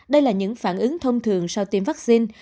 đây là những phản ứng thông thường sau tiêm vaccine